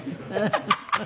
ハハハハ。